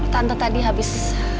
tante tadi habis